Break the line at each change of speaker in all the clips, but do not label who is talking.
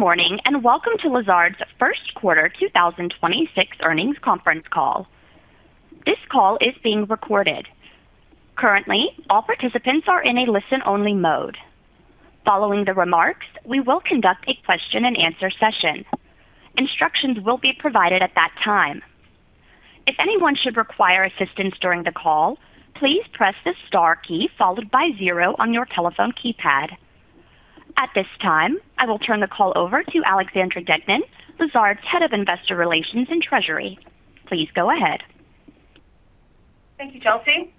Good morning, and welcome to Lazard's 1st quarter 2026 earnings conference call. This call is being recorded. Currently, all participants are in a listen-only-mode. Following the remarks, we will conduct a question-and-answer session. Instructions will be provided at that time. If anyone should require assistance during the call, please press the star key followed by zeroon your telephone keypad. At this time I will turn the call over to Alexandra Deignan, Lazard's Head of Investor Relations and Treasury. Please go ahead.
Thank you, Chelsea.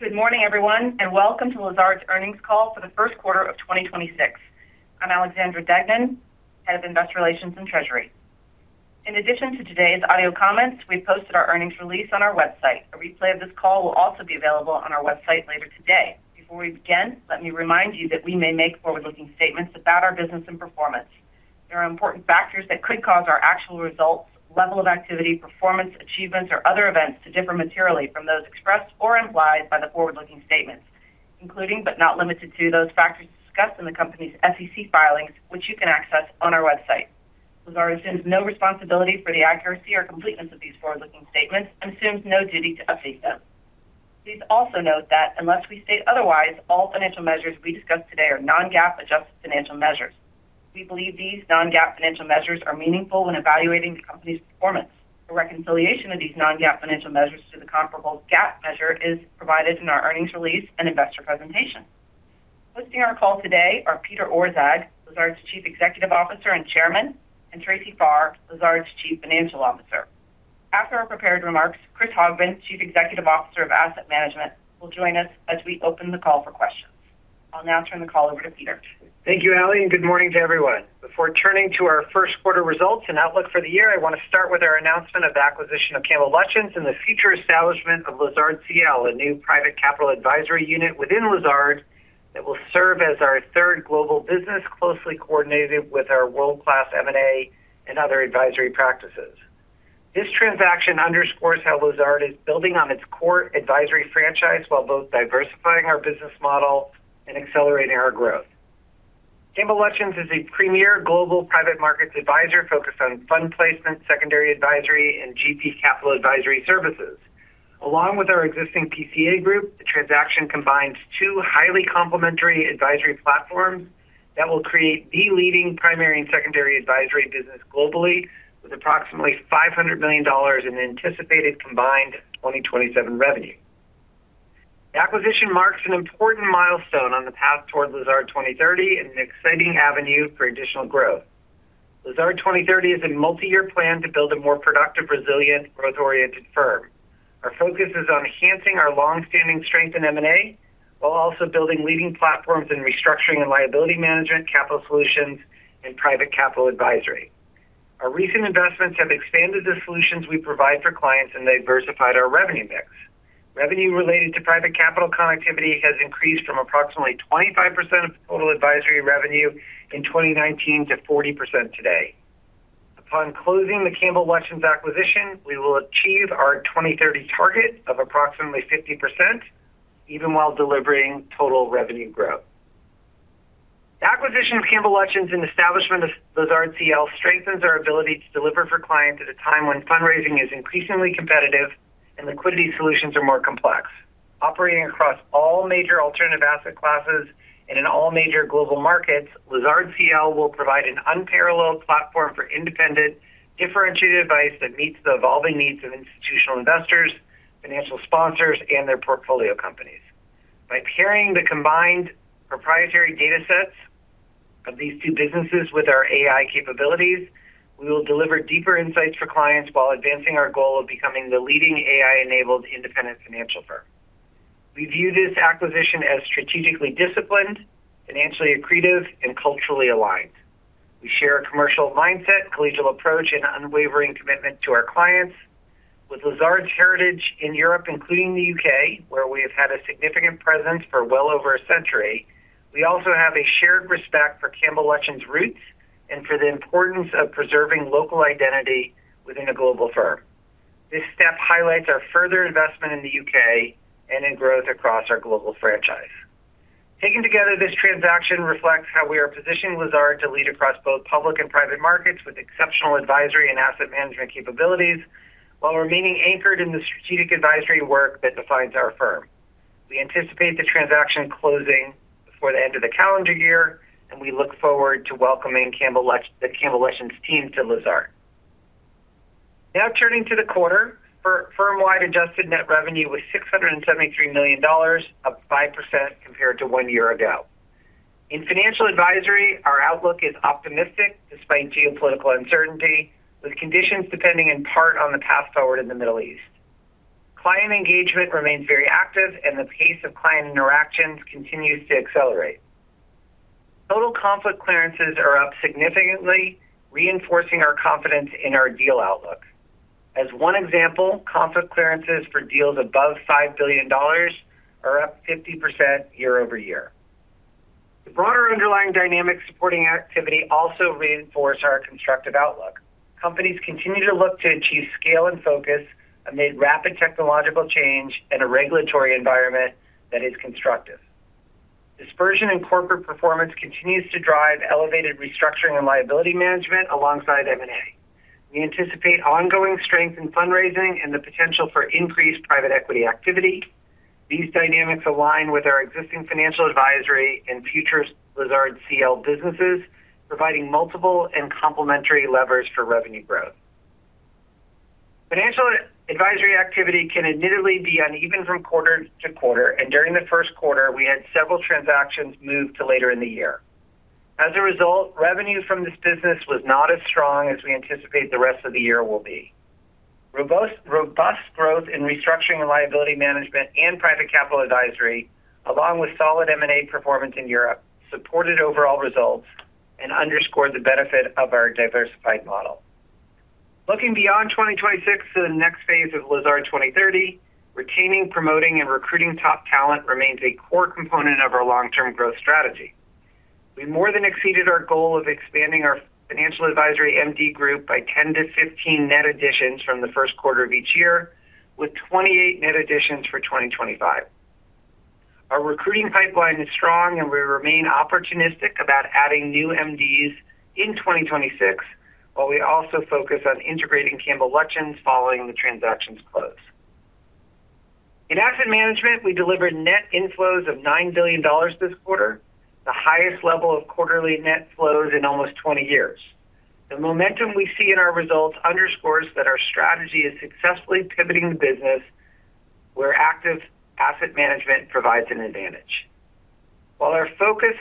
Good morning, everyone, welcome to Lazard's earnings call for the first quarter of 2026. I'm Alexandra Deignan, Head of Investor Relations and Treasury. In addition to today's audio comments, we posted our earnings release on our website. A replay of this call will also be available on our website later today. Before we begin, let me remind you that we may make forward-looking statements about our business and performance. There are important factors that could cause our actual results, level of activity, performance, achievements, or other events to differ materially from those expressed or implied by the forward-looking statements, including, but not limited to, those factors discussed in the company's SEC filings, which you can access on our website. Lazard assumes no responsibility for the accuracy or completeness of these forward-looking statements and assumes no duty to update them. Please also note that unless we state otherwise, all financial measures we discuss today are non-GAAP adjusted financial measures. We believe these non-GAAP financial measures are meaningful when evaluating the company's performance. A reconciliation of these non-GAAP financial measures to the comparable GAAP measure is provided in our earnings release and investor presentation. Hosting our call today are Peter Orszag, Lazard's Chief Executive Officer and Chairman, and Tracy Farr, Lazard's Chief Financial Officer. After our prepared remarks, Chris Hogbin, Chief Executive Officer of Asset Management, will join us as we open the call for questions. I'll now turn the call over to Peter.
Thank you, Ally. Good morning to everyone. Before turning to our first quarter results and outlook for the year, I want to start with our announcement of the acquisition of Campbell Lutyens and the future establishment of Lazard CL, a new private capital advisory unit within Lazard that will serve as our third global business closely coordinated with our world-class M&A and other advisory practices. This transaction underscores how Lazard is building on its core advisory franchise while both diversifying our business model and accelerating our growth. Campbell Lutyens is a premier global private markets advisor focused on fund placement, secondary advisory, and GP capital advisory services. Along with our existing PCA group, the transaction combines two highly complementary advisory platforms that will create the leading primary and secondary advisory business globally with approximately $500 million in anticipated combined 2027 revenue. The acquisition marks an important milestone on the path toward Lazard 2030 and an exciting avenue for additional growth. Lazard 2030 is a multi-year plan to build a more productive, resilient, growth-oriented firm. Our focus is on enhancing our long-standing strength in M&A while also building leading platforms in restructuring and liability management, Capital Solutions, and Private Capital Advisory. Our recent investments have expanded the solutions we provide for clients and diversified our revenue mix. Revenue related to private capital connectivity has increased from approximately 25% of total advisory revenue in 2019 to 40% today. Upon closing the Campbell Lutyens acquisition, we will achieve our 2030 target of approximately 50% even while delivering total revenue growth. The acquisition of Campbell Lutyens and establishment of Lazard CL strengthens our ability to deliver for clients at a time when fundraising is increasingly competitive and liquidity solutions are more complex. Operating across all major alternative asset classes and in all major global markets, Lazard CL will provide an unparalleled platform for independent, differentiated advice that meets the evolving needs of institutional investors, financial sponsors, and their portfolio companies. By pairing the combined proprietary data sets of these two businesses with our AI capabilities, we will deliver deeper insights for clients while advancing our goal of becoming the leading AI-enabled independent financial firm. We view this acquisition as strategically disciplined, financially accretive, and culturally aligned. We share a commercial mindset, collegial approach, and unwavering commitment to our clients. With Lazard's heritage in Europe, including the U.K., where we have had a significant presence for well over a century, we also have a shared respect for Campbell Lutyens' roots and for the importance of preserving local identity within a global firm. This step highlights our further investment in the U.K. and in growth across our global franchise. Taken together, this transaction reflects how we are positioning Lazard to lead across both public and private markets with exceptional advisory and Asset Management capabilities while remaining anchored in the strategic advisory work that defines our firm. We anticipate the transaction closing before the end of the calendar year, and we look forward to welcoming the Campbell Lutyens team to Lazard. Now turning to the quarter, for firm-wide adjusted net revenue was $673 million, up 5% compared to one year ago. In financial advisory, our outlook is optimistic despite geopolitical uncertainty, with conditions depending in part on the path forward in the Middle East. Client engagement remains very active, and the pace of client interactions continues to accelerate. Total conflict clearances are up significantly, reinforcing our confidence in our deal outlook. As one example, conflict clearances for deals above $5 billion are up 50% year-over-year. The broader underlying dynamics supporting activity also reinforce our constructive outlook. Companies continue to look to achieve scale and focus amid rapid technological change and a regulatory environment that is constructive. Dispersion in corporate performance continues to drive elevated restructuring and liability management alongside M&A. We anticipate ongoing strength in fundraising and the potential for increased private equity activity. These dynamics align with our existing financial advisory and future Lazard CL businesses, providing multiple and complementary levers for revenue growth. Financial advisory activity can admittedly be uneven from quarter to quarter, and during the first quarter, we had several transactions move to later in the year. As a result, revenue from this business was not as strong as we anticipate the rest of the year will be. Robust growth in restructuring and liability management and private capital advisory, along with solid M&A performance in Europe, supported overall results and underscored the benefit of our diversified model. Looking beyond 2026 to the next phase of Lazard 2030, retaining, promoting, and recruiting top talent remains a core component of our long-term growth strategy. We more than exceeded our goal of expanding our financial advisory MD group by 10-15 net additions from the first quarter of each year, with 28 net additions for 2025. Our recruiting pipeline is strong. We remain opportunistic about adding new MDs in 2026, while we also focus on integrating Campbell Lutyens following the transaction's close. In Asset Management, we delivered net inflows of $9 billion this quarter, the highest level of quarterly net flows in almost 20 years. The momentum we see in our results underscores that our strategy is successfully pivoting the business where active Asset Management provides an advantage. While with our focus,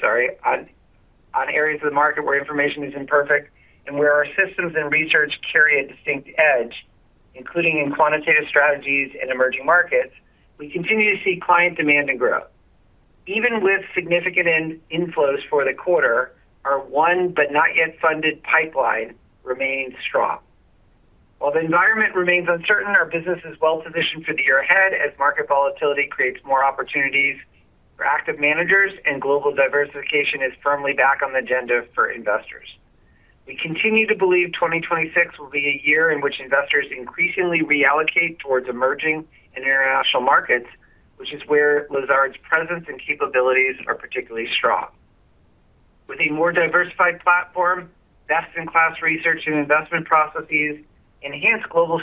sorry, on areas of the market where information is imperfect and where our systems and research carry a distinct edge, including in quantitative strategies and emerging markets, we continue to see client demand and growth. Even with significant inflows for the quarter, our one, but not yet funded pipeline remains strong. While the environment remains uncertain, our business is well-positioned for the year ahead as market volatility creates more opportunities for active managers, and global diversification is firmly back on the agenda for investors. We continue to believe 2026 will be a year in which investors increasingly reallocate towards emerging and international markets, which is where Lazard's presence and capabilities are particularly strong. With a more diversified platform, best-in-class research and investment processes, enhanced global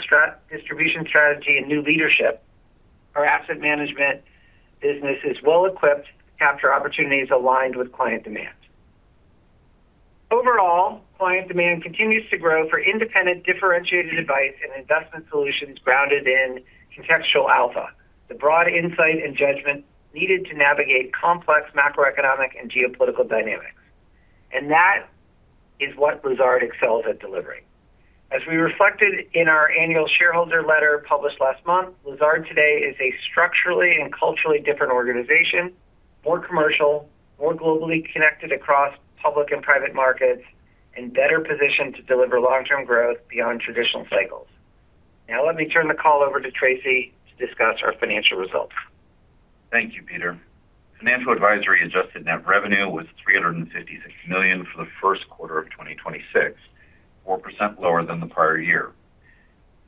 distribution strategy, and new leadership, our Asset Management business is well-equipped to capture opportunities aligned with client demand. Overall, client demand continues to grow for independent, differentiated advice and investment solutions grounded in contextual alpha, the broad insight and judgment needed to navigate complex macroeconomic and geopolitical dynamics, and that is what Lazard excels at delivering. As we reflected in our annual shareholder letter published last month, Lazard today is a structurally and culturally different organization, more commercial, more globally connected across public and private markets, and better positioned to deliver long-term growth beyond traditional cycles. Let me turn the call over to Tracy to discuss our financial results.
Thank you, Peter. Financial advisory adjusted net revenue was $356 million for the first quarter of 2026, 4% lower than the prior year.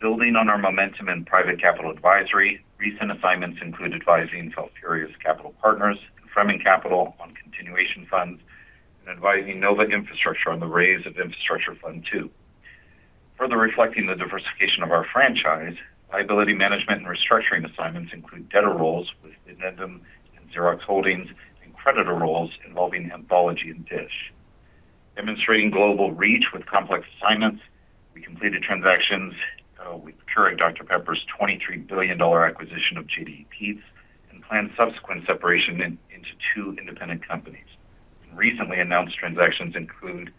Building on our momentum in private capital advisory, recent assignments include advising Valerius Capital Partners and Fleming Capital on continuation funds and advising NOVA Infrastructure on the raise of NOVA Infrastructure Fund II. Further reflecting the diversification of our franchise, liability management and restructuring assignments include debtor roles with Finnair and Xerox Holdings Corporation and creditor roles involving Anthology and DISH Network. Demonstrating global reach with complex assignments, we completed transactions with Keurig Dr Pepper's $23 billion acquisition of JDE Peet's and planned subsequent separation into two independent companies. Recently announced transactions include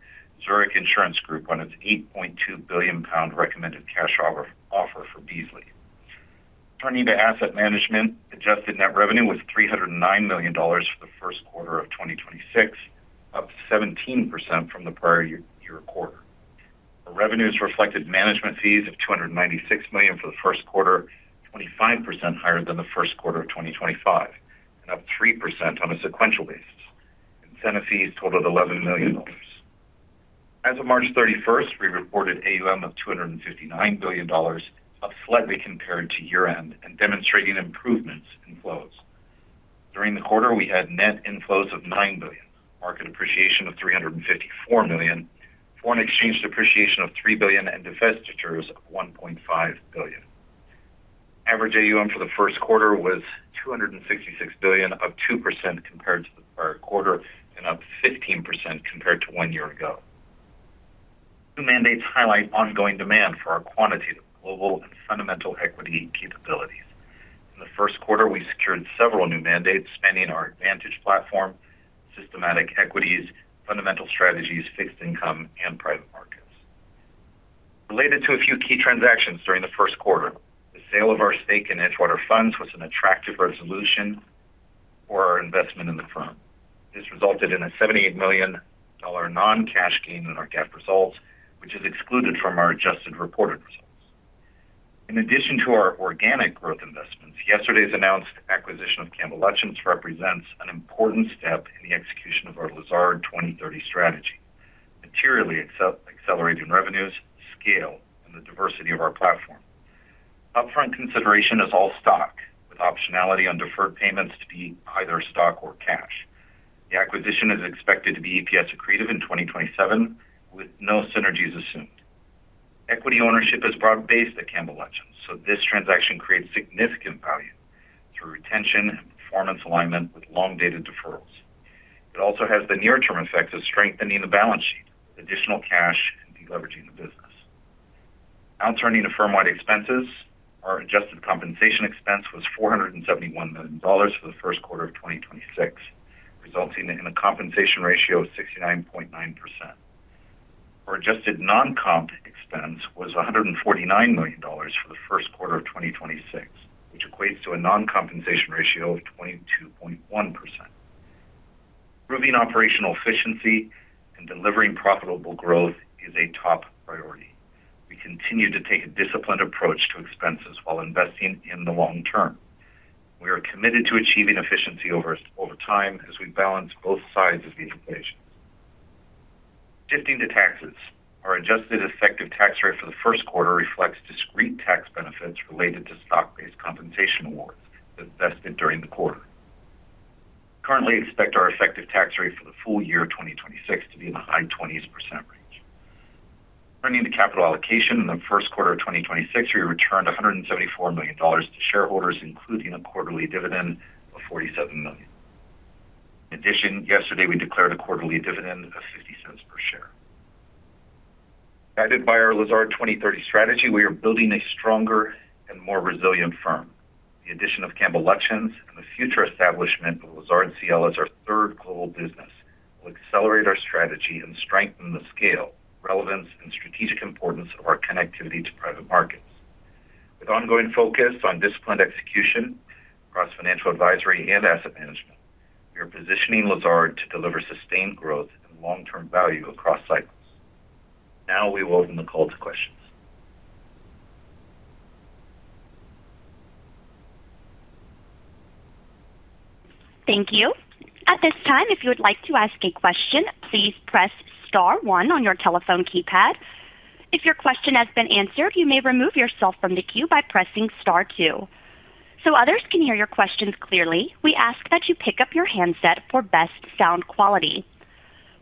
Zurich Insurance Group on its 8.2 billion pound recommended cash offer for Beazley. Turning to Asset Management, adjusted net revenue was $309 million for the first quarter of 2026, up 17% from the prior year quarter. Our revenues reflected management fees of $296 million for the first quarter, 25% higher than the first quarter of 2025, and up 3% on a sequential basis. Incentive fees totaled $11 million. As of March 31st, we reported AUM of $259 billion, up slightly compared to year-end and demonstrating improvements in flows. During the quarter, we had net inflows of $9 billion, market appreciation of $354 million, foreign exchange depreciation of $3 billion, and divestitures of $1.5 billion. Average AUM for the first quarter was $266 billion, up 2% compared to the prior quarter and up 15% compared to one year ago. New mandates highlight ongoing demand for our quantitative, global, and fundamental equity capabilities. In the first quarter, we secured several new mandates spanning our advantage platform, systematic equities, fundamental strategies, fixed income, and private markets. Related to a few key transactions during the first quarter, the sale of our stake in The Edgewater Funds was an attractive resolution for our investment in the firm. This resulted in a $78 million non-cash gain in our GAAP results, which is excluded from our adjusted reported results. In addition to our organic growth investments, yesterday's announced acquisition of Campbell Lutyens represents an important step in the execution of our Lazard 2030 strategy, materially accelerating revenues, scale, and the diversity of our platform. Upfront consideration is all stock, with optionality on deferred payments to be either stock or cash. The acquisition is expected to be EPS accretive in 2027, with no synergies assumed. Equity ownership is broad-based at Campbell Lutyens, this transaction creates significant value through retention and performance alignment with long-dated deferrals. It also has the near-term effect of strengthening the balance sheet with additional cash and de-leveraging the business. Turning to firm-wide expenses, our adjusted compensation expense was $471 million for the first quarter of 2026, resulting in a compensation ratio of 69.9%. Our adjusted non-comp expense was $149 million for the first quarter of 2026, which equates to a non-compensation ratio of 22.1%. Improving operational efficiency and delivering profitable growth is a top priority. We continue to take a disciplined approach to expenses while investing in the long term. We are committed to achieving efficiency over time as we balance both sides of the equation. Shifting to taxes, our adjusted effective tax rate for the 1st quarter reflects discrete tax benefits related to stock-based compensation awards that vested during the quarter. Currently expect our effective tax rate for the full year of 2026 to be in the high 20s% range. Turning to capital allocation, in the first quarter of 2026, we returned $174 million to shareholders, including a quarterly dividend of $47 million. In addition, yesterday, we declared a quarterly dividend of $0.50 per share. Guided by our Lazard 2030 strategy, we are building a stronger and more resilient firm. The addition of Campbell Lutyens and the future establishment of Lazard CL as our third global business will accelerate our strategy and strengthen the scale, relevance, and strategic importance of our connectivity to private markets. With ongoing focus on disciplined execution across financial advisory and Asset Management, we are positioning Lazard to deliver sustained growth and long-term value across cycles. We will open the call to questions.
Thank you.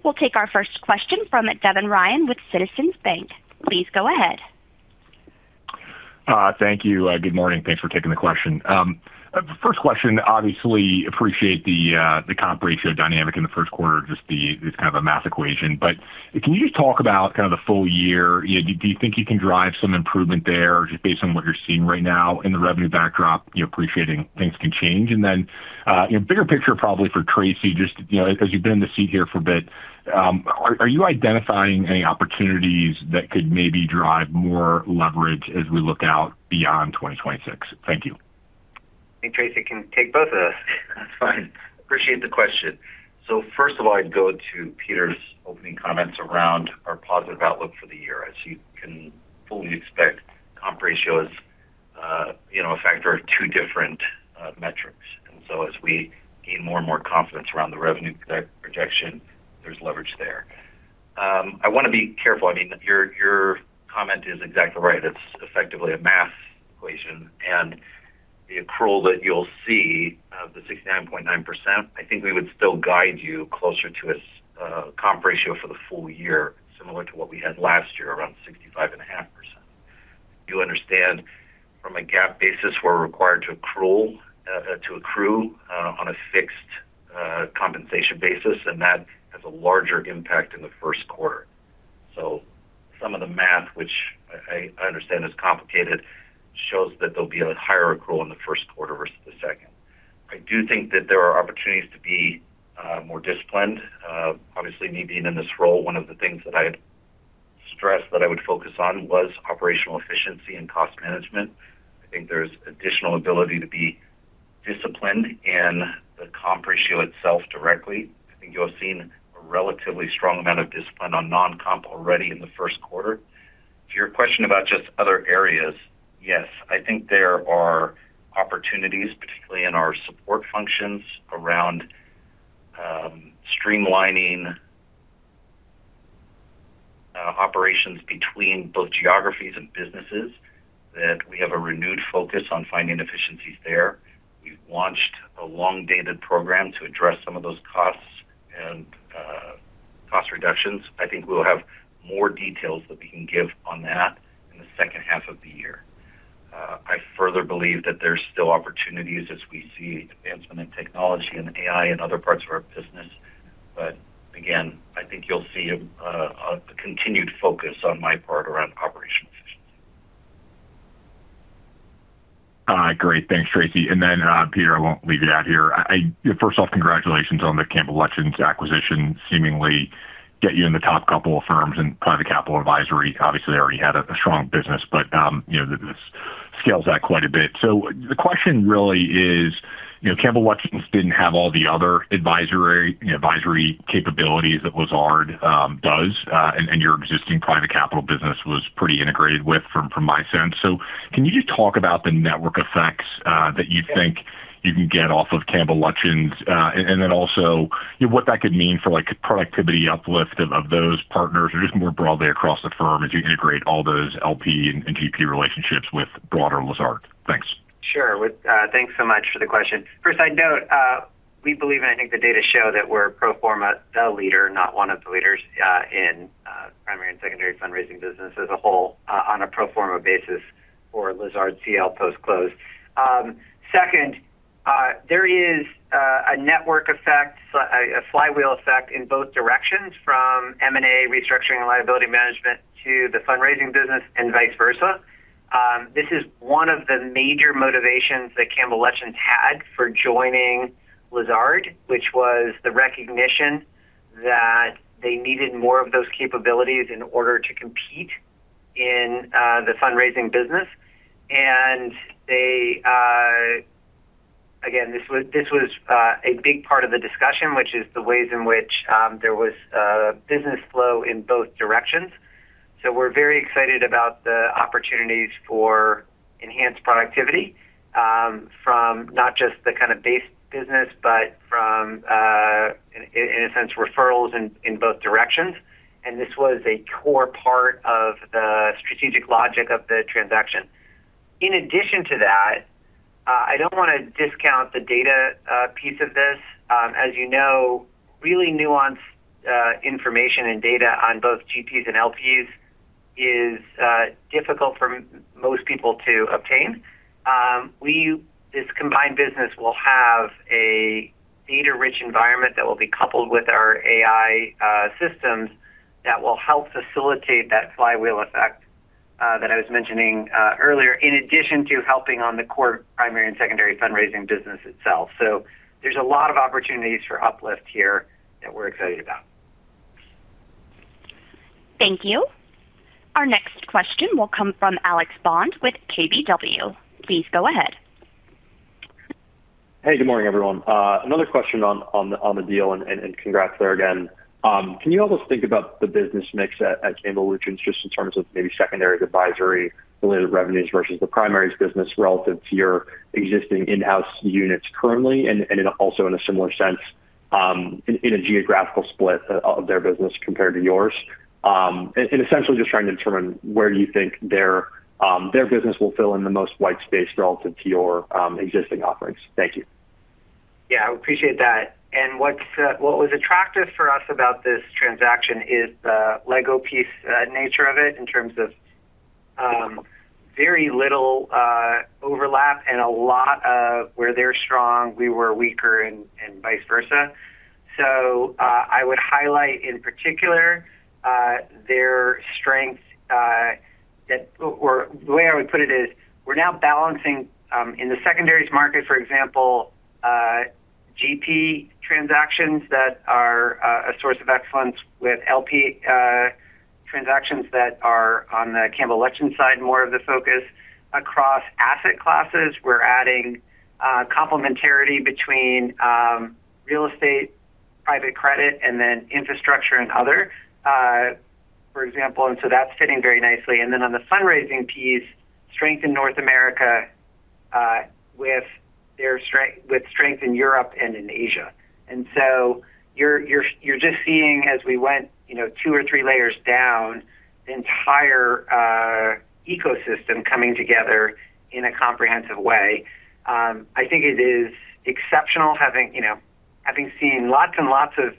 We'll take our first question from Devin Ryan with Citizens JMP. Please go ahead.
Thank you. Good morning. Thanks for taking the question. First question, obviously appreciate the comp ratio dynamic in the first quarter, it's kind of a math equation. Can you just talk about kind of the full year? You know, do you think you can drive some improvement there just based on what you're seeing right now in the revenue backdrop, you know, appreciating things can change? You know, bigger picture probably for Tracy Farr, just, you know, as you've been in the seat here for a bit, are you identifying any opportunities that could maybe drive more leverage as we look out beyond 2026? Thank you.
I think Tracy can take both of those.
That's fine. Appreciate the question. First of all, I'd go to Peter's opening comments around our positive outlook for the year. As you can fully expect, comp ratio is, you know, a factor of two different metrics. As we gain more and more confidence around the revenue pro-projection, there's leverage there. I want to be careful. I mean your comment is exactly right. It's effectively a math equation. The accrual that you'll see of the 69.9%, I think we would still guide you closer to a comp ratio for the full year, similar to what we had last year, around 65.5%. You understand from a GAAP basis, we're required to accrue on a fixed compensation basis, that has a larger impact in the first quarter. Some of the math, which I understand is complicated, shows that there'll be a higher accrual in the first quarter versus the second. I do think that there are opportunities to be more disciplined. Obviously me being in this role, one of the things that I had stressed that I would focus on was operational efficiency and cost management. I think there's additional ability to be disciplined in the comp ratio itself directly. I think you have seen a relatively strong amount of discipline on non-comp already in the first quarter. To your question about just other areas, yes, I think there are opportunities, particularly in our support functions around streamlining operations between both geographies and businesses, that we have a renewed focus on finding efficiencies there. We've launched a long-dated program to address some of those costs and cost reductions. I think we'll have more details that we can give on that in the second half of the year. I further believe that there's still opportunities as we see advancement in technology and AI in other parts of our business. Again, I think you'll see a continued focus on my part around operational efficiency.
Great. Thanks, Tracy. Peter, I won't leave you out here. First off, congratulations on the Campbell Lutyens acquisition, seemingly get you in the top couple of firms in Private Capital Advisory. Obviously, you already had a strong business, but, you know, this scales that quite a bit. The question really is. You know, Campbell Lutyens didn't have all the other advisory, you know, advisory capabilities that Lazard does. And your existing Private Capital business was pretty integrated with from my sense. Can you just talk about the network effects that you think you can get off of Campbell Lutyens? And then also, you know, what that could mean for like productivity uplift of those partners or just more broadly across the firm as you integrate all those LP and GP relationships with broader Lazard? Thanks.
Sure. Thanks so much for the question. First, I'd note, we believe, and I think the data show that we're pro forma the leader, not one of the leaders, in primary and secondary fundraising business as a whole on a pro forma basis for Lazard CL post-close. Second, there is a network effect, so a flywheel effect in both directions from M&A restructuring and liability management to the fundraising business and vice versa. This is one of the major motivations that Campbell Lutyens had for joining Lazard, which was the recognition that they needed more of those capabilities in order to compete in the fundraising business. Again, this was a big part of the discussion, which is the ways in which there was business flow in both directions. We're very excited about the opportunities for enhanced productivity from not just the kind of base business, but from in a sense, referrals in both directions. This was a core part of the strategic logic of the transaction. In addition to that, I don't wanna discount the data piece of this. As you know, really nuanced information and data on both GPs and LPs is difficult for most people to obtain. This combined business will have a data-rich environment that will be coupled with our AI systems that will help facilitate that flywheel effect that I was mentioning earlier, in addition to helping on the core primary and secondary fundraising business itself. There's a lot of opportunities for uplift here that we're excited about.
Thank you. Our next question will come from Alex Bond with KBW. Please go ahead.
Hey, good morning, everyone. Another question on the deal and congrats there again. Can you help us think about the business mix at Campbell Lutyens just in terms of maybe secondaries advisory related revenues versus the primaries business relative to your existing in-house units currently, and also in a similar sense, in a geographical split of their business compared to yours? And essentially just trying to determine where you think their business will fill in the most white space relative to your existing offerings. Thank you.
Yeah, I appreciate that. What was attractive for us about this transaction is the LEGO piece, nature of it in terms of very little overlap and a lot of where they're strong, we were weaker and vice versa. I would highlight in particular their strength. We're now balancing in the secondaries market, for example, GP transactions that are a source of X funds with LP transactions that are on the Campbell Lutyens side, more of the focus. Across asset classes, we're adding complementarity between real estate, private credit, and infrastructure and other, for example, and so that's fitting very nicely. On the fundraising piece, strength in North America with strength in Europe and in Asia. You're just seeing as we went, you know, two or three layers down, the entire ecosystem coming together in a comprehensive way. I think it is exceptional having, you know, having seen lots and lots of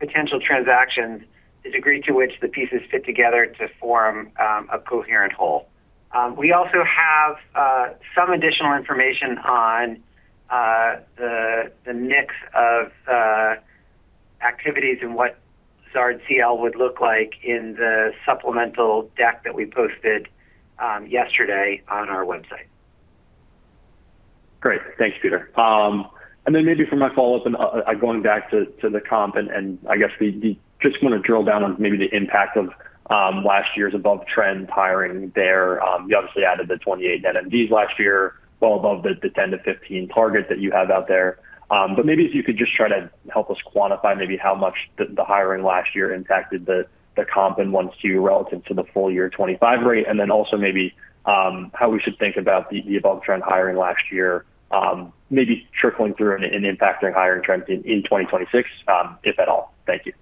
potential transactions, the degree to which the pieces fit together to form a coherent whole. We also have some additional information on the mix of activities and what Lazard CL would look like in the supplemental deck that we posted yesterday on our website.
Great. Thanks, Peter. Maybe for my follow-up and going back to the comp and I guess we just want to drill down on maybe the impact of last year's above-trend hiring there. You obviously added the 28 NMDs last year, well above the 10-15 target that you have out there. Maybe if you could just try to help us quantify maybe how much the hiring last year impacted the comp in one to two relative to the full year 2025 rate, and then also maybe how we should think about the above-trend hiring last year, maybe trickling through and impacting hiring trends in 2026, if at all. Thank you.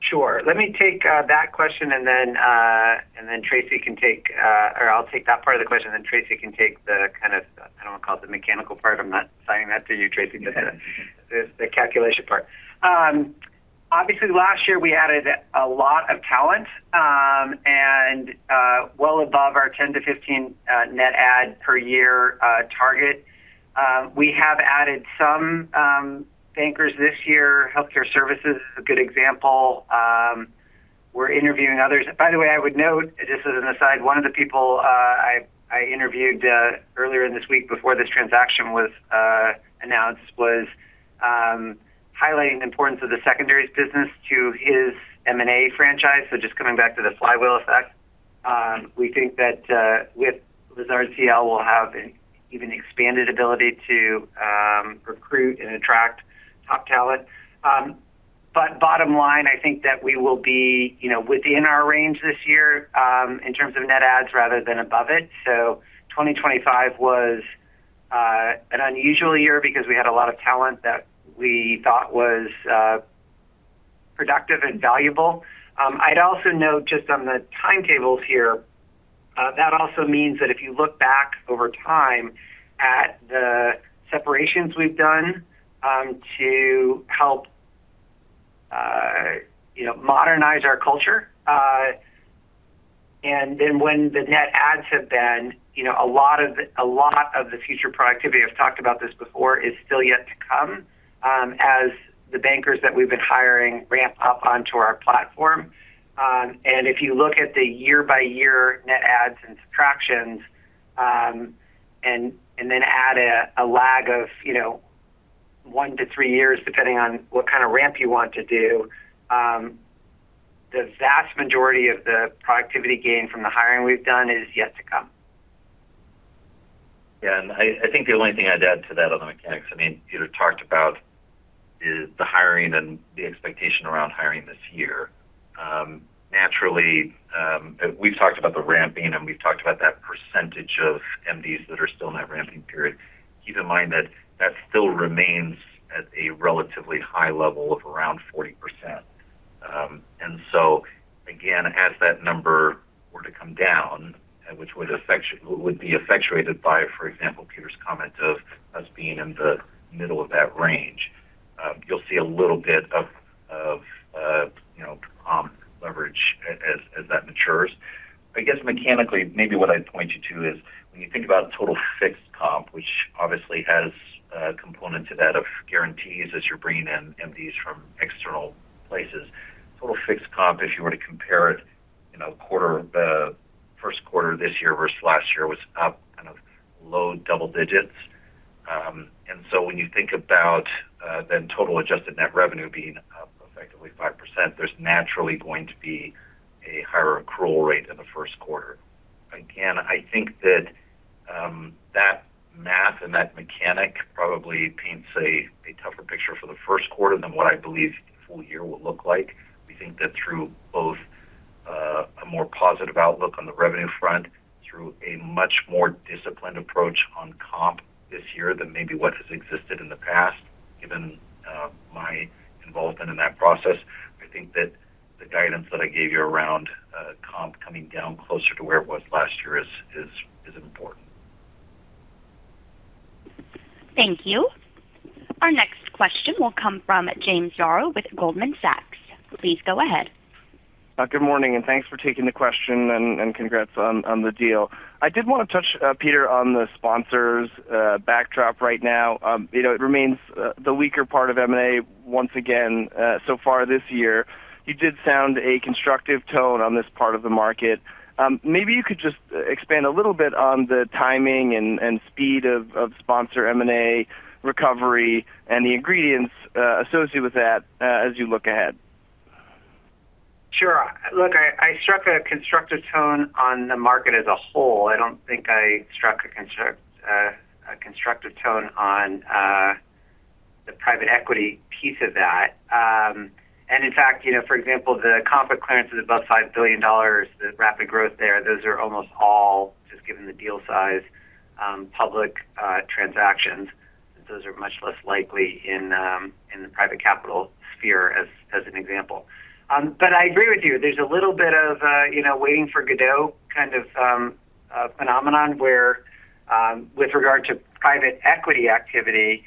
Sure. Let me take that question and then, and then Tracy can take. Or I'll take that part of the question, and then Tracy can take the kind of, I don't wanna call it the mechanical part. I'm not assigning that to you, Tracy, but the calculation part. Obviously, last year, we added a lot of talent, and well above our 10-15 net add per year target. We have added some bankers this year. Healthcare services is a good example. We're interviewing others. I would note, just as an aside, one of the people, I interviewed earlier in this week before this transaction was announced was highlighting the importance of the secondaries business to his M&A franchise, so just coming back to the flywheel effect. We think that with Lazard CL will have an even expanded ability to recruit and attract top talent. Bottom line, I think that we will be, you know, within our range this year, in terms of net adds rather than above it. 2025 was an unusual year because we had a lot of talent that we thought was productive and valuable. I'd also note just on the timetables here, that also means that if you look back over time at the separations we've done, to help, you know, modernize our culture, and then when the net adds have been, you know, a lot of, a lot of the future productivity, I've talked about this before, is still yet to come, as the bankers that we've been hiring ramp up onto our platform. If you look at the year-by-year net adds and subtractions, and then add a lag of, you know, one to three years, depending on what kind of ramp you want to do, the vast majority of the productivity gain from the hiring we've done is yet to come.
Yeah. I think the only thing I'd add to that on the mechanics, I mean, Peter talked about is the hiring and the expectation around hiring this year. Naturally, we've talked about the ramping, and we've talked about that percentage of MDs that are still in that ramping period. Keep in mind that that still remains at a relatively high level of around 40%. Again, as that number were to come down, which would be effectuated by, for example, Peter's comment of us being in the middle of that range, you'll see a little bit of, you know, comp leverage as that matures. I guess mechanically, maybe what I'd point you to is when you think about total fixed comp, which obviously has a component to that of guarantees as you're bringing in MDs from external places. Total fixed comp, if you were to compare it, you know, first quarter this year versus last year was up kind of low double digits. When you think about, then total adjusted net revenue being up effectively 5%, there's naturally going to be a higher accrual rate in the first quarter. I think that math and that mechanic probably paints a tougher picture for the first quarter than what I believe the full year will look like. We think that through both, a more positive outlook on the revenue front, through a much more disciplined approach on comp this year than maybe what has existed in the past, given, my involvement in that process. I think that the guidance that I gave you around, comp coming down closer to where it was last year is important.
Thank you. Our next question will come from James Yaro with Goldman Sachs. Please go ahead.
Good morning, and thanks for taking the question and congrats on the deal. I did wanna touch, Peter, on the sponsors backdrop right now. You know, it remains the weaker part of M&A once again so far this year. You did sound a constructive tone on this part of the market. Maybe you could just expand a little bit on the timing and speed of sponsor M&A recovery and the ingredients associated with that as you look ahead.
Sure. Look, I struck a constructive tone on the market as a whole. I don't think I struck a constructive tone on the private equity piece of that. In fact, you know, for example, the conflict clearances above $5 billion, the rapid growth there, those are almost all just given the deal size, public transactions. Those are much less likely in the private capital sphere as an example. I agree with you. There's a little bit of a, you know, waiting for Godot kind of phenomenon where with regard to private equity activity,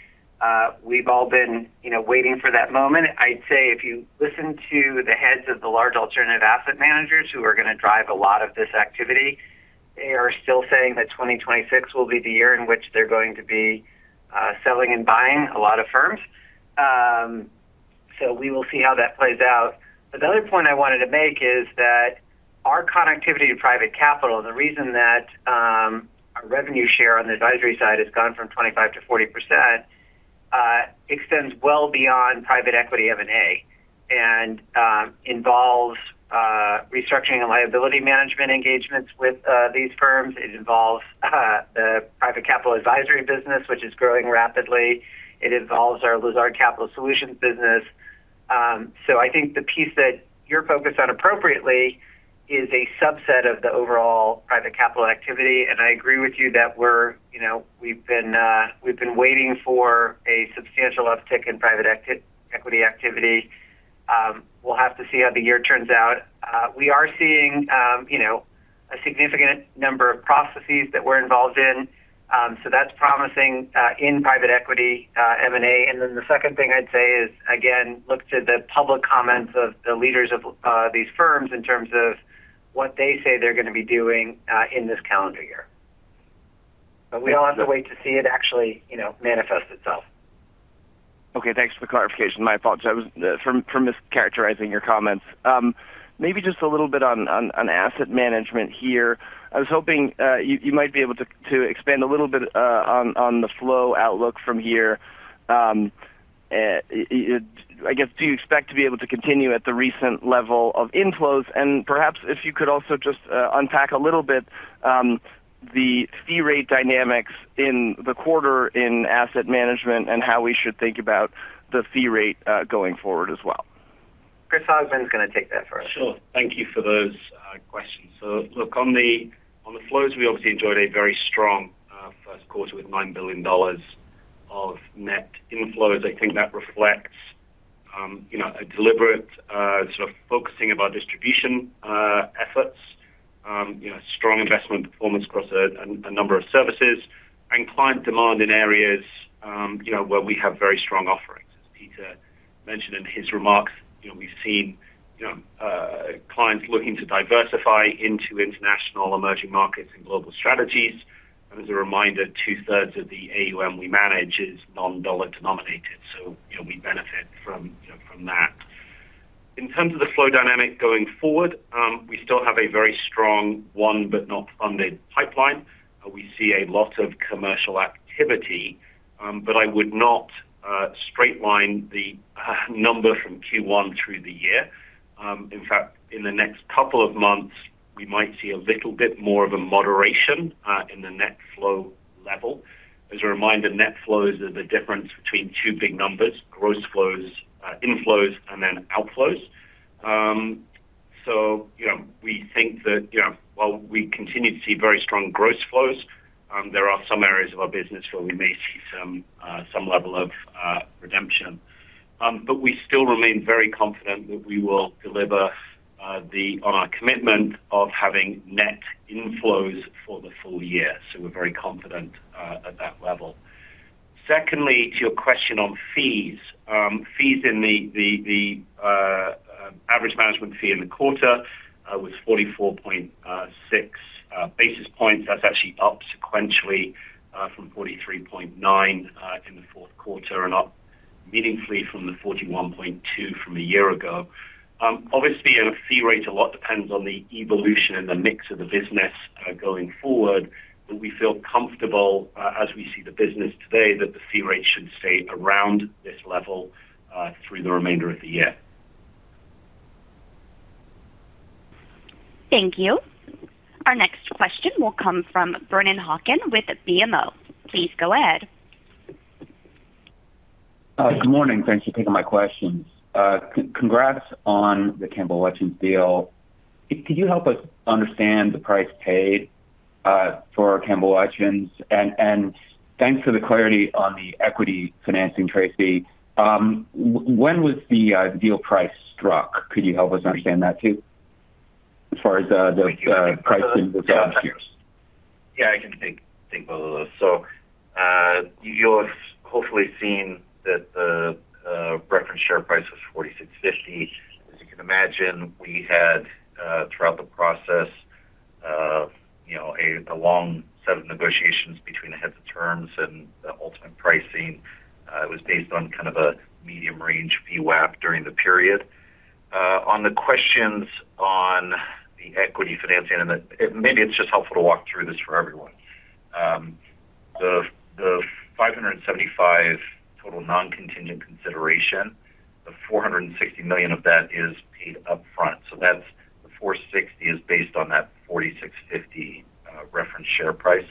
we've all been, you know, waiting for that moment. I'd say if you listen to the heads of the large alternative asset managers who are gonna drive a lot of this activity, they are still saying that 2026 will be the year in which they're going to be selling and buying a lot of firms. We will see how that plays out. The other point I wanted to make is that our connectivity to private capital, the reason that our revenue share on the advisory side has gone from 25%-40%, extends well beyond private equity M&A and involves restructuring and liability management engagements with these firms. It involves the Private Capital Advisory business, which is growing rapidly. It involves our Lazard Capital Solutions business. I think the piece that you're focused on appropriately is a subset of the overall private capital activity. I agree with you that we're, you know, we've been waiting for a substantial uptick in private equity activity. We'll have to see how the year turns out. We are seeing, you know, a significant number of processes that we're involved in. That's promising in private equity M&A. The second thing I'd say is, again, look to the public comments of the leaders of these firms in terms of what they say they're gonna be doing in this calendar year. We'll have to wait to see it actually, you know, manifest itself.
Okay. Thanks for the clarification. My fault, for mischaracterizing your comments. Maybe just a little bit on Asset Management here. I was hoping, you might be able to expand a little bit, on the flow outlook from here. I guess, do you expect to be able to continue at the recent level of inflows? Perhaps if you could also just unpack a little bit the fee rate dynamics in the quarter in Asset Management and how we should think about the fee rate going forward as well.
Chris Hogbin is gonna take that first.
Sure. Thank you for those questions. Look, on the flows, we obviously enjoyed a very strong first quarter with $9 billion of net inflows. I think that reflects, you know, a deliberate sort of focusing of our distribution efforts. You know, strong investment performance across a number of services. Client demand in areas, you know, where we have very strong offerings. As Peter mentioned in his remarks, you know, we've seen, you know, clients looking to diversify into international emerging markets and global strategies. As a reminder, 2/3 of the AUM we manage is non-dollar denominated, so, you know, we benefit from, you know, from that. In terms of the flow dynamic going forward, we still have a very strong one, but not funded pipeline. We see a lot of commercial activity. I would not straight line the number from Q1 through the year. In fact, in the next couple of months, we might see a little bit more of a moderation in the net flow level. As a reminder, net flows are the difference between two big numbers, gross flows, inflows and then outflows. We think that, you know, while we continue to see very strong gross flows, there are some areas of our business where we may see some level of redemption. We still remain very confident that we will deliver on our commitment of having net inflows for the full year. We're very confident at that level. Secondly, to your question on fees. Fees in the average management fee in the quarter was 44.6 basis points. That's actually up sequentially from 43.9 in the fourth quarter and up meaningfully from the 41.2 from a year ago. Obviously in a fee rate, a lot depends on the evolution and the mix of the business going forward, but we feel comfortable as we see the business today, that the fee rate should stay around this level through the remainder of the year.
Thank you. Our next question will come from Brennan Hawken with BMO. Please go ahead.
Good morning. Thanks for taking my questions. Congrats on the Campbell Lutyens deal. Could you help us understand the price paid for Campbell Lutyens? Thanks for the clarity on the equity financing, Tracy. When was the deal price struck? Could you help us understand that too? As far as the pricing was concerned.
Yeah, I can take both of those. You'll have hopefully seen that the reference share price was $46.50. As you can imagine, we had throughout the process, you know, a long set of negotiations between the heads of terms and the ultimate pricing. It was based on kind of a medium range VWAP during the period. On the questions on the equity financing and maybe it's just helpful to walk through this for everyone. The $575 total non-contingent consideration, the $460 million of that is paid up front. That's the $460 is based on that $46.50 reference share price.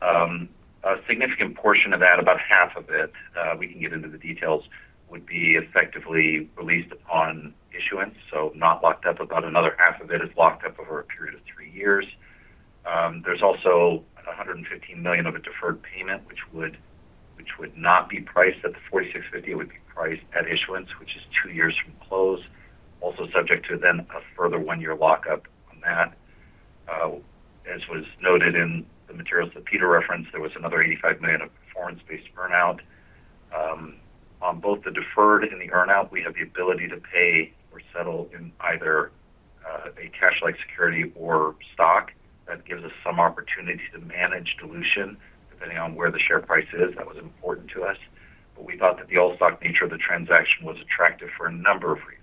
A significant portion of that, about half of it, we can get into the details, would be effectively released upon issuance, not locked up. About another half of it is locked up over a period of three years. There's also $115 million of a deferred payment, which would not be priced at $46.50. It would be priced at issuance, which is two years from close. Also subject to then a further one-year lockup on that. As was noted in the materials that Peter referenced, there was another $85 million of performance-based burnout. On both the deferred and the earn out, we have the ability to pay or settle in either a cash-like security or stock. That gives us some opportunity to manage dilution depending on where the share price is. That was important to us. We thought that the all-stock nature of the transaction was attractive for a number of reasons.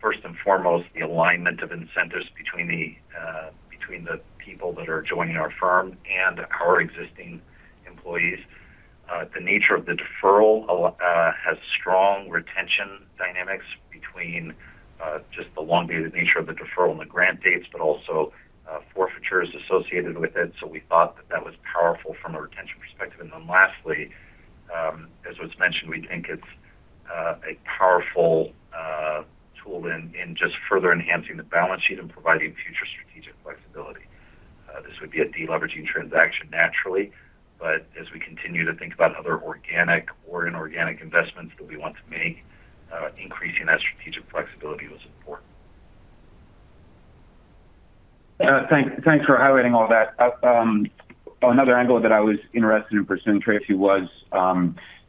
First and foremost, the alignment of incentives between the people that are joining our firm and our existing employees. The nature of the deferral has strong retention dynamics between just the elongated nature of the deferral and the grant dates, but also, forfeitures associated with it. We thought that that was powerful from a retention perspective. Lastly, as was mentioned, we think it's a powerful tool in just further enhancing the balance sheet and providing future strategic flexibility. This would be a de-leveraging transaction naturally, but as we continue to think about other organic or inorganic investments that we want to make, increasing that strategic flexibility was important.
Thanks, thanks for highlighting all that. Another angle that I was interested in pursuing, Tracy,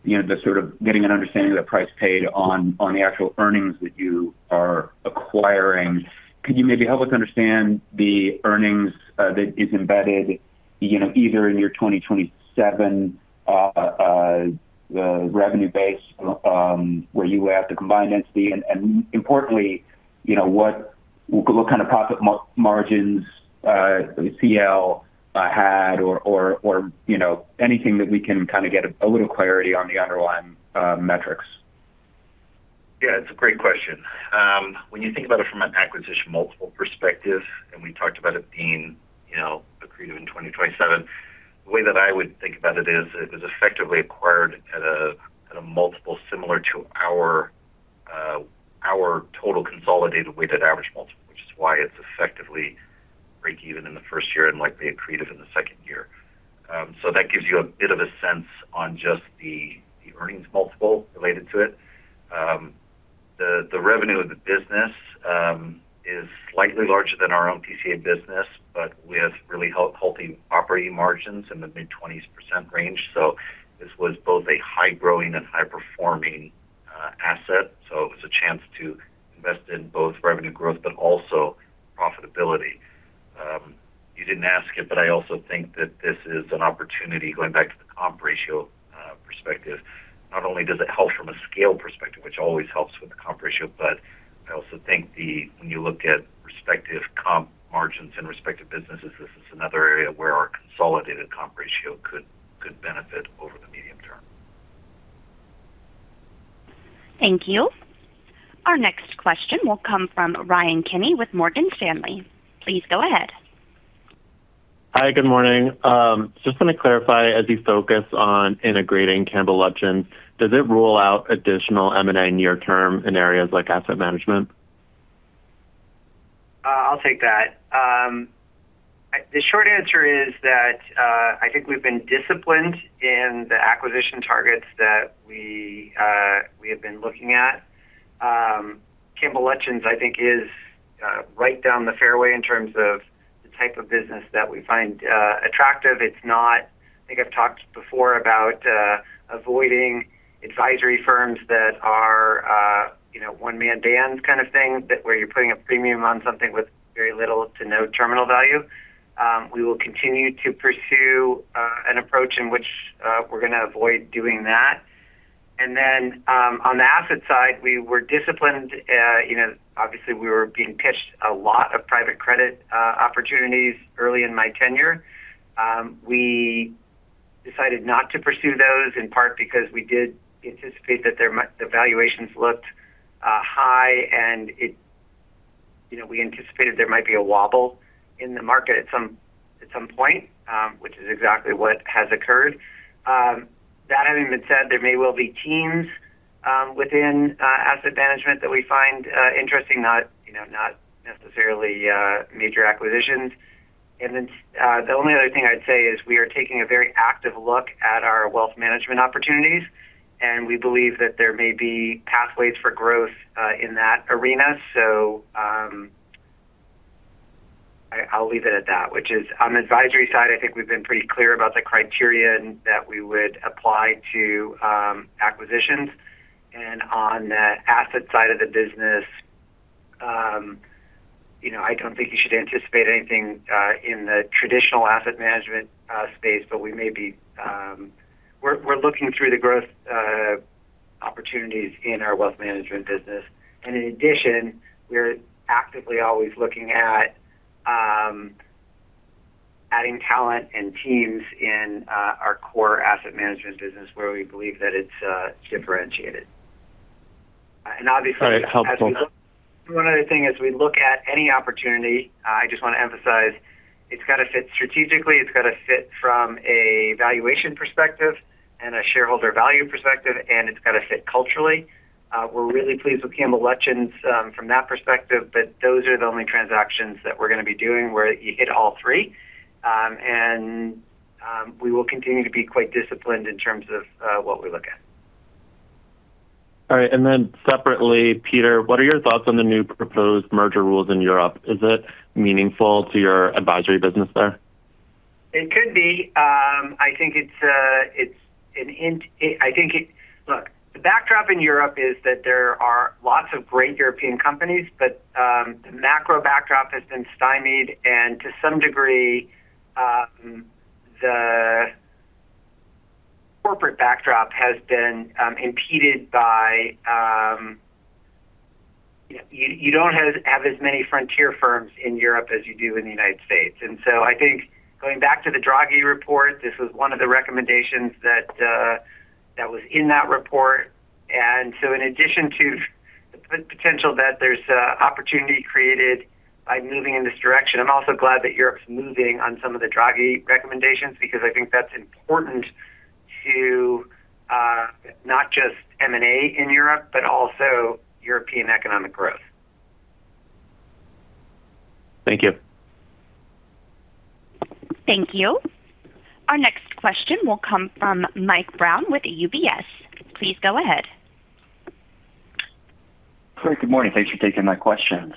was, you know, just sort of getting an understanding of the price paid on the actual earnings that you are acquiring. Could you maybe help us understand the earnings that is embedded, you know, either in your 2027 revenue base, where you have the combined entity. Importantly, you know, what kind of profit margins CL had or, you know, anything that we can kind of get a little clarity on the underlying metrics?
Yeah, it's a great question. When you think about it from an acquisition multiple perspective, and we talked about it being, you know, accretive in 2027, the way that I would think about it is it was effectively acquired at a multiple similar to our total consolidated weighted average multiple, which is why it's effectively breakeven in the first year and lightly accretive in the second year. That gives you a bit of a sense on just the earnings multiple related to it. The revenue of the business is slightly larger than our own PCA business, but with really healthy operating margins in the mid-20s% range. This was both a high growing and high performing asset. It was a chance to invest in both revenue growth but also profitability. You didn't ask it, but I also think that this is an opportunity going back to the comp ratio perspective. Not only does it help from a scale perspective, which always helps with the comp ratio, but I also think when you look at respective comp margins in respective businesses, this is another area where our consolidated comp ratio could benefit over the medium term.
Thank you. Our next question will come from Ryan Kenny with Morgan Stanley. Please go ahead.
Hi. Good morning. Just want to clarify, as you focus on integrating Campbell Lutyens, does it rule out additional M&A near term in areas like Asset Management?
I'll take that. The short answer is that, I think we've been disciplined in the acquisition targets that we have been looking at. Campbell Lutyens, I think is, right down the fairway in terms of the type of business that we find, attractive. I think I've talked before about, avoiding advisory firms that are, you know, one-man band kind of thing that where you're putting a premium on something with very little to no terminal value. We will continue to pursue, an approach in which, we're gonna avoid doing that. On the asset side, we were disciplined. You know, obviously we were being pitched a lot of private credit, opportunities early in my tenure. We decided not to pursue those, in part because we did anticipate that the valuations looked high, and you know, we anticipated there might be a wobble in the market at some, at some point, which is exactly what has occurred. That having been said, there may well be teams within Asset Management that we find interesting, not, you know, not necessarily major acquisitions. The only other thing I'd say is we are taking a very active look at our wealth management opportunities, and we believe that there may be pathways for growth in that arena. I'll leave it at that, which is on the advisory side, I think we've been pretty clear about the criteria that we would apply to acquisitions. On the asset side of the business, you know, I don't think you should anticipate anything in the traditional asset management space, but we're looking through the growth opportunities in our wealth management business. In addition, we're actively always looking at adding talent and teams in our core Asset Management business where we believe that it's differentiated.
All right. Helpful....
one other thing, as we look at any opportunity, I just want to emphasize it's got to fit strategically. It's got to fit from a valuation perspective and a shareholder value perspective, it's got to fit culturally. We're really pleased with Campbell Lutyens from that perspective, but those are the only transactions that we're gonna be doing where you hit all three. We will continue to be quite disciplined in terms of what we look at.
All right. Separately, Peter, what are your thoughts on the new proposed merger rules in Europe? Is it meaningful to your advisory business there?
It could be. I think look, the backdrop in Europe is that there are lots of great European companies, but the macro backdrop has been stymied. To some degree, the corporate backdrop has been impeded by you don't have as many frontier firms in Europe as you do in the United States. I think going back to the Draghi report, this was one of the recommendations that was in that report. In addition to the potential that there's opportunity created by moving in this direction, I'm also glad that Europe's moving on some of the Draghi recommendations because I think that's important to not just M&A in Europe, but also European economic growth.
Thank you.
Thank you. Our next question will come from Mike Brown with UBS. Please go ahead.
Great. Good morning. Thanks for taking my questions.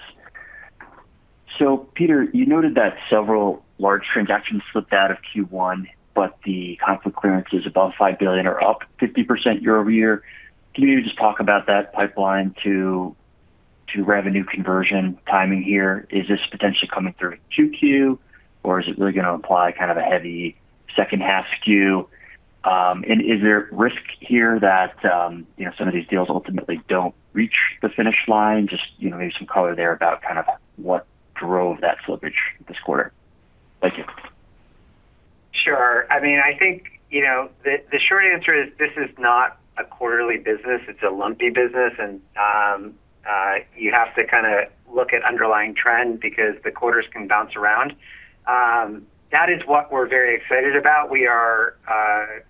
Peter, you noted that several large transactions slipped out of Q1, but the conflict clearance is above $5 billion or up 50% year-over-year. Can you just talk about that pipeline to revenue conversion timing here? Is this potentially coming through in 2Q, or is it really gonna apply kind of a heavy second half skew? Is there risk here that, you know, some of these deals ultimately don't reach the finish line? You know, maybe some color there about kind of what drove that slippage this quarter. Thank you.
Sure. I mean, I think, you know, the short answer is this is not a quarterly business. It's a lumpy business. You have to kinda look at underlying trend because the quarters can bounce around. That is what we're very excited about. We are,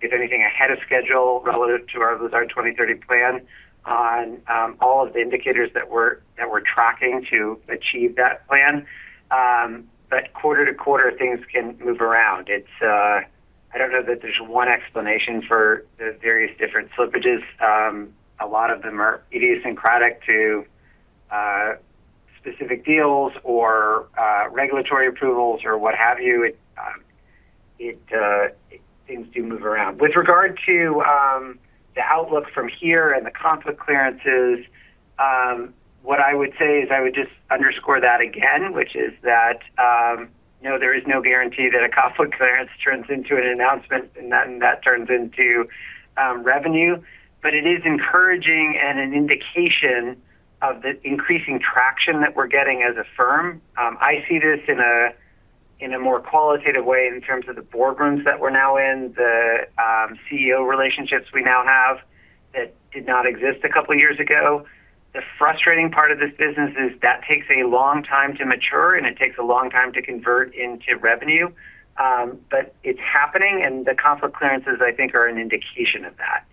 if anything, ahead of schedule relative to our Lazard 2030 plan on all of the indicators that we're, that we're tracking to achieve that plan. Quarter to quarter, things can move around. It's. I don't know that there's one explanation for the various different slippages. A lot of them are idiosyncratic to specific deals or regulatory approvals or what have you. It, it seems to move around. With regard to the outlook from here and the conflict clearances, what I would say is I would just underscore that again, which is that, you know, there is no guarantee that a conflict clearance turns into an announcement, and then that turns into revenue. It is encouraging and an indication of the increasing traction that we're getting as a firm. I see this in a more qualitative way in terms of the boardrooms that we're now in, the CEO relationships we now have that did not exist a couple years ago. The frustrating part of this business is that takes a long time to mature, and it takes a long time to convert into revenue. It's happening, and the conflict clearances, I think, are an indication of that.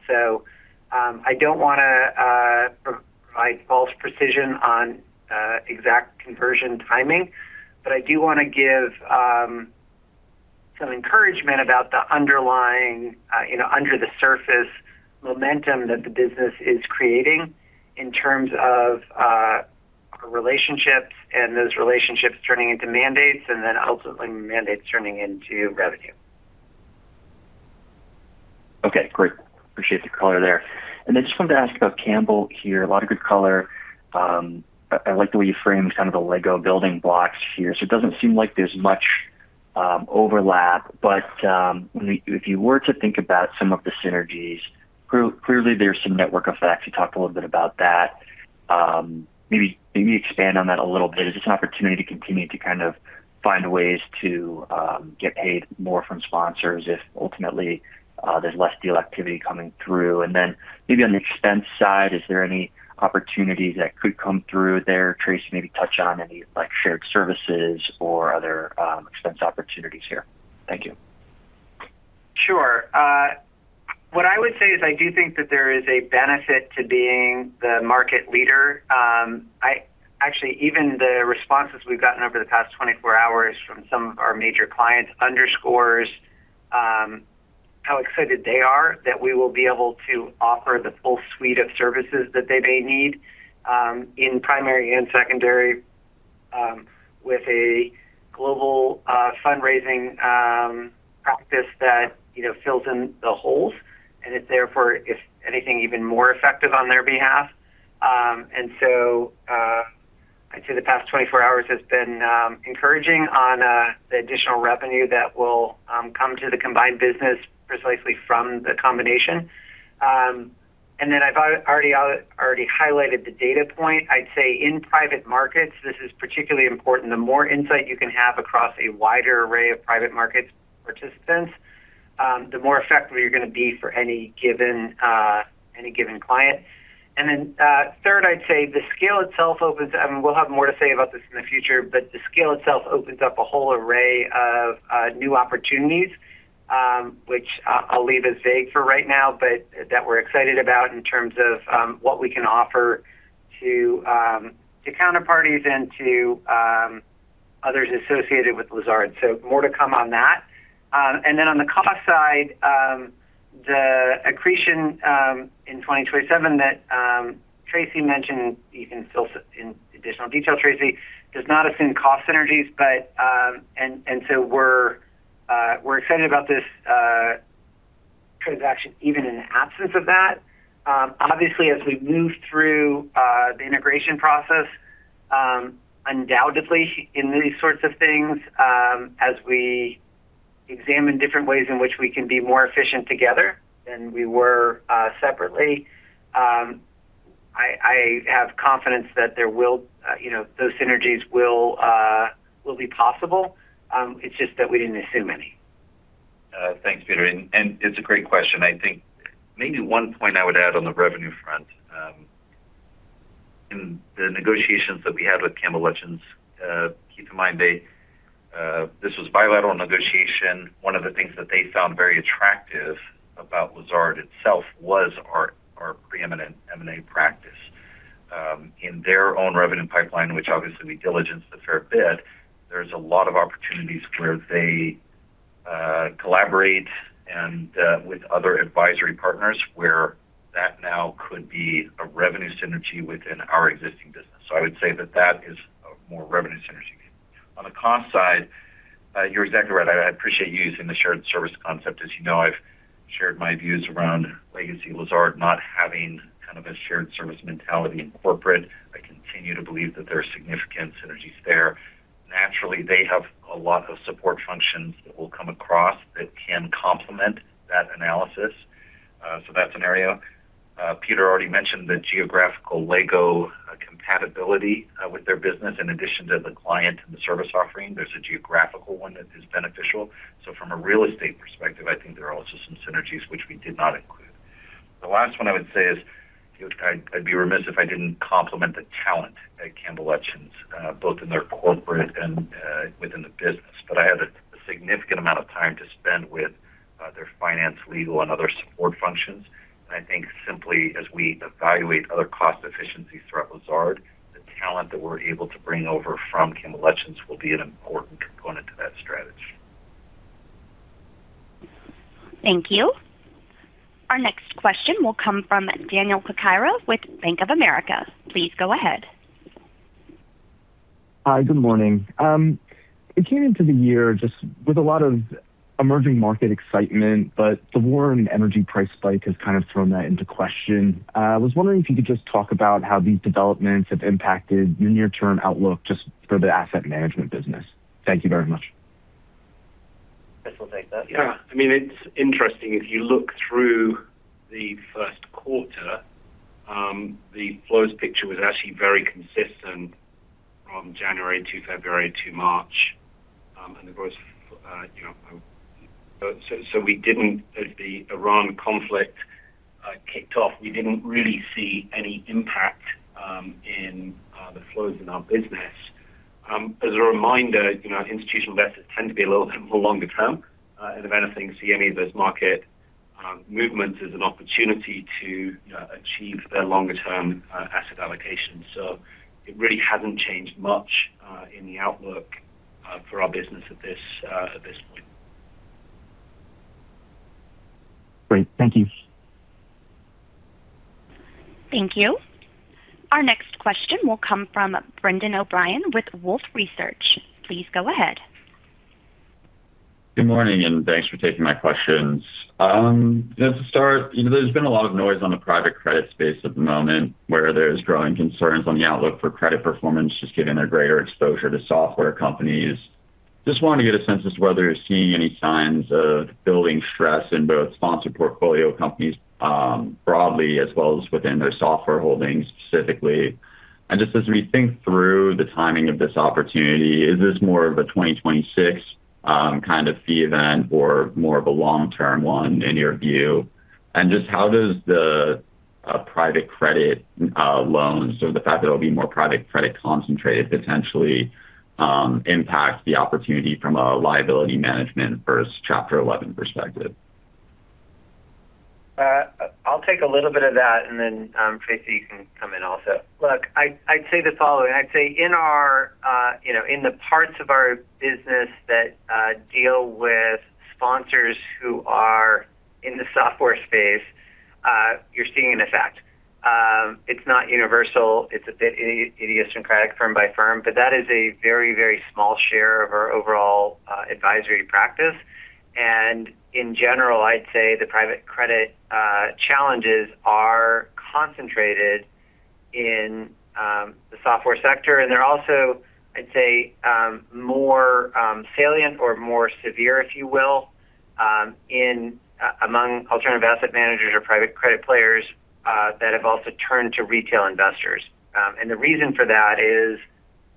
I don't wanna provide false precision on exact conversion timing, but I do wanna give some encouragement about the underlying, you know, under-the-surface momentum that the business is creating in terms of relationships and those relationships turning into mandates and then ultimately mandates turning into revenue.
Okay, great. Appreciate the color there. I just wanted to ask about Campbell here. A lot of good color. I like the way you framed kind of the LEGO building blocks here. It doesn't seem like there's much overlap, but when you if you were to think about some of the synergies, clearly there's some network effects. You talked a little bit about that. Maybe expand on that a little bit. Is this an opportunity to continue to kind of find ways to get paid more from sponsors if ultimately, there's less deal activity coming through? Then maybe on the expense side, is there any opportunities that could come through there? Tracy, maybe touch on any, like, shared services or other expense opportunities here. Thank you.
Sure. What I would say is I do think that there is a benefit to being the market leader. Actually, even the responses we've gotten over the past 24 hours from some of our major clients underscores how excited they are that we will be able to offer the full suite of services that they may need in primary and secondary with a global fundraising practice that, you know, fills in the holes. It's therefore, if anything, even more effective on their behalf. So, I'd say the past 24 hours has been encouraging on the additional revenue that will come to the combined business precisely from the combination. Then I've already highlighted the data point. I'd say in private markets, this is particularly important. The more insight you can have across a wider array of private markets participants, the more effective you're gonna be for any given, any given client. Third, I'd say the scale itself opens. We'll have more to say about this in the future, but the scale itself opens up a whole array of new opportunities, which I'll leave as vague for right now, but that we're excited about in terms of what we can offer to counterparties and to others associated with Lazard. More to come on that. On the cost side, the accretion in 2027 that Tracy mentioned, you can fill in additional detail, Tracy, does not assume cost synergies. We're excited about this transaction even in absence of that. Obviously, as we move through the integration process, undoubtedly in these sorts of things, as we examine different ways in which we can be more efficient together than we were separately, I have confidence that there will, you know, those synergies will be possible. It's just that we didn't assume any.
Thanks, Peter, and it's a great question. I think maybe one point I would add on the revenue front, in the negotiations that we had with Campbell Lutyens, keep in mind they, this was bilateral negotiation. One of the things that they found very attractive about Lazard itself was our preeminent M&A practice. In their own revenue pipeline, which obviously we diligenced a fair bit, there's a lot of opportunities where they collaborate and with other advisory partners where that now could be a revenue synergy within our existing business. I would say that that is a more revenue synergy. On the cost side, you're exactly right. I appreciate you using the shared service concept. As you know, I've shared my views around legacy Lazard not having kind of a shared service mentality in corporate. I continue to believe that there are significant synergies there. They have a lot of support functions that we'll come across that can complement that analysis, so that scenario. Peter already mentioned the geographical LEGO compatibility with their business in addition to the client and the service offering. There's a geographical one that is beneficial. From a real estate perspective, I think there are also some synergies which we did not include. The last one I would say is, you know, I'd be remiss if I didn't compliment the talent at Campbell Lutyens, both in their corporate and within the business. I had a significant amount of time to spend with their finance, legal, and other support functions. I think simply as we evaluate other cost efficiencies throughout Lazard, the talent that we're able to bring over from Campbell Lutyens will be an important component to that strategy.
Thank you. Our next question will come from Daniel Cocchiara with Bank of America. Please go ahead.
Hi. Good morning. We came into the year just with a lot of emerging market excitement, but the war and energy price spike has kind of thrown that into question. I was wondering if you could just talk about how these developments have impacted your near-term outlook just for the Asset Management business. Thank you very much.
Chris will take that.
Yeah. I mean, it's interesting. If you look through the first quarter, the flows picture was actually very consistent from January to February to March. Of course, you know, as the Iran conflict kicked off, we didn't really see any impact in the flows in our business. As a reminder, you know, institutional investors tend to be a little bit more longer term, if anything, see any of those market movements as an opportunity to achieve their longer term asset allocation. It really hasn't changed much in the outlook for our business at this point.
Great. Thank you.
Thank you. Our next question will come from Brendan O'Brien with Wolfe Research. Please go ahead.
Good morning, and thanks for taking my questions. Just to start, you know, there's been a lot of noise on the private credit space at the moment where there's growing concerns on the outlook for credit performance just given their greater exposure to software companies. Just wanted to get a sense as to whether you're seeing any signs of building stress in both sponsored portfolio companies, broadly as well as within their software holdings specifically. Just as we think through the timing of this opportunity, is this more of a 2026 kind of fee event or more of a long-term one in your view? Just how does the private credit loans or the fact that it'll be more private credit concentrated potentially impact the opportunity from a liability management versus Chapter 11 perspective?
I'll take a little bit of that, and then Tracy, you can come in also. I'd say the following. I'd say in our, you know, in the parts of our business that deal with sponsors who are in the software space, you're seeing an effect. It's not universal. It's a bit idiosyncratic firm by firm. That is a very, very small share of our overall advisory practice. In general, I'd say the private credit challenges are concentrated in the software sector. They're also, I'd say, more salient or more severe, if you will, in among alternative asset managers or private credit players that have also turned to retail investors. The reason for that is,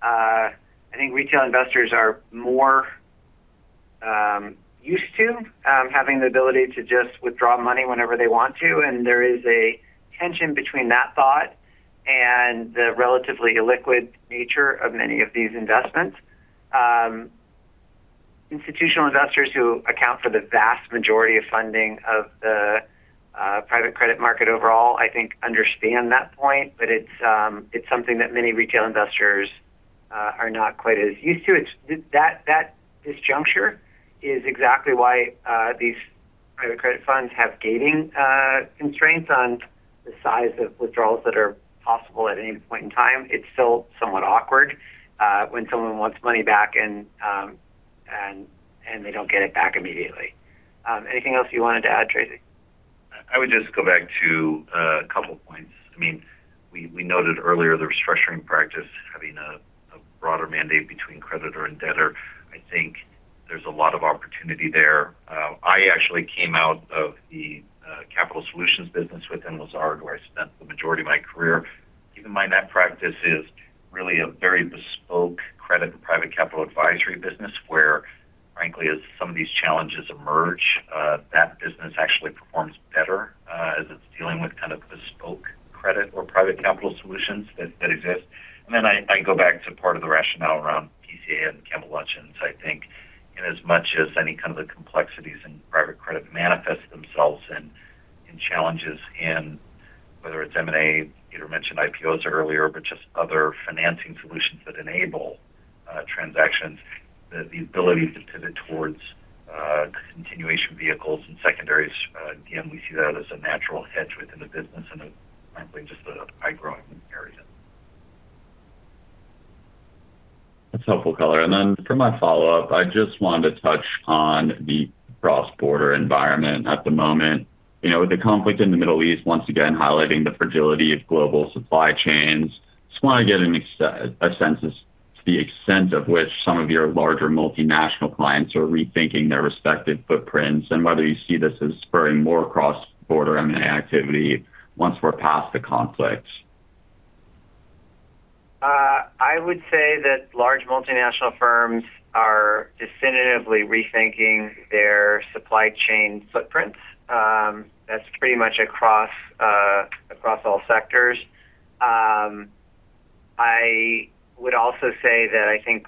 I think retail investors are more used to having the ability to just withdraw money whenever they want to. There is a tension between that thought and the relatively illiquid nature of many of these investments. Institutional investors who account for the vast majority of funding of the private credit market overall, I think understand that point, but it's something that many retail investors are not quite as used to. That disjuncture is exactly why these private credit funds have gating constraints on the size of withdrawals that are possible at any point in time. It's still somewhat awkward when someone wants money back and they don't get it back immediately. Anything else you wanted to add, Tracy?
I would just go back to a couple points. I mean, we noted earlier the restructuring practice having a broader mandate between creditor and debtor. I think there's a lot of opportunity there. I actually came out of the capital solutions business within Lazard, where I spent the majority of my career. Keep in mind that practice is really a very bespoke credit and private capital advisory business where, frankly, as some of these challenges emerge, that business actually performs better, as it's dealing with kind of bespoke credit or private capital solutions that exist. Then I go back to part of the rationale around PCA and Campbell Lutyens. I think inasmuch as any kind of the complexities in private credit manifest themselves in challenges in whether it's M&A, Peter mentioned IPOs earlier, but just other financing solutions that enable transactions, the ability to pivot towards continuation vehicles and secondaries, again, we see that as a natural hedge within the business and frankly, just a high-growing area.
That's helpful color. For my follow-up, I just wanted to touch on the cross-border environment at the moment. You know, with the conflict in the Middle East once again highlighting the fragility of global supply chains, just want to get a sense as to the extent of which some of your larger multinational clients are rethinking their respective footprints and whether you see this as spurring more cross-border M&A activity once we're past the conflict?
I would say that large multinational firms are definitively rethinking their supply chain footprints. That's pretty much across all sectors. I would also say that I think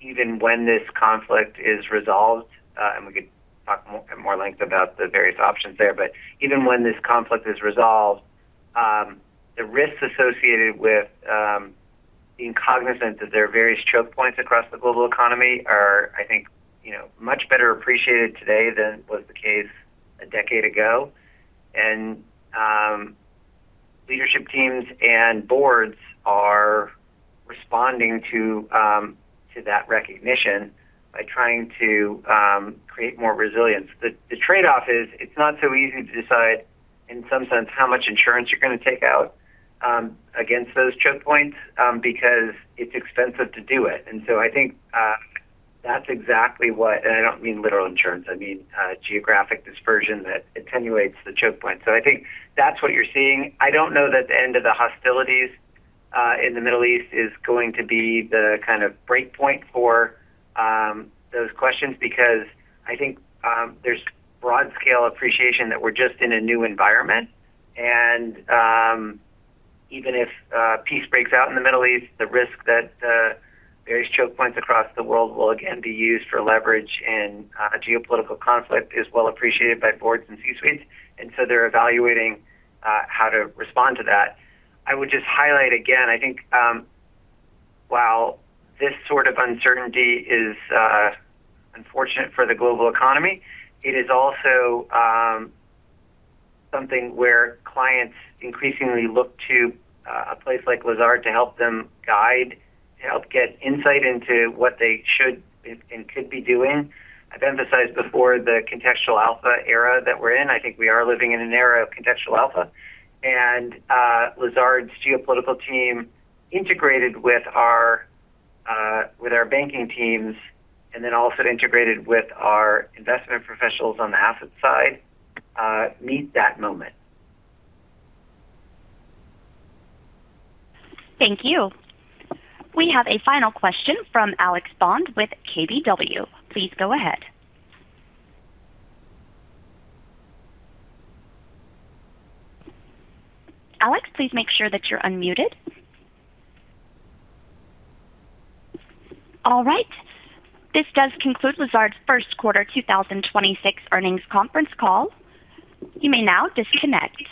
even when this conflict is resolved, and we could talk more at length about the various options there, but even when this conflict is resolved, the risks associated with being cognizant that there are various choke points across the global economy are, I think, you know, much better appreciated today than was the case a decade ago. Leadership teams and boards are responding to that recognition by trying to create more resilience. The trade-off is it's not so easy to decide in some sense how much insurance you're gonna take out against those choke points because it's expensive to do it. I think I don't mean literal insurance, I mean, geographic dispersion that attenuates the choke point. I think that's what you're seeing. I don't know that the end of the hostilities in the Middle East is going to be the kind of break point for those questions because I think there's broad scale appreciation that we're just in a new environment. Even if peace breaks out in the Middle East, the risk that various choke points across the world will again be used for leverage in geopolitical conflict is well appreciated by boards and C-suites, and so they're evaluating how to respond to that. I would just highlight again, I think, while this sort of uncertainty is unfortunate for the global economy, it is also something where clients increasingly look to a place like Lazard to help them guide, to help get insight into what they should and could be doing. I've emphasized before the contextual alpha era that we're in. I think we are living in an era of contextual alpha. Lazard's geopolitical team, integrated with our with our banking teams and then also integrated with our investment professionals on the asset side, meet that moment.
Thank you. We have a final question from Alex Bond with KBW. Please go ahead. Alexander, please make sure that you're unmuted. All right. This does conclude Lazard's first quarter 2026 earnings conference call. You may now disconnect.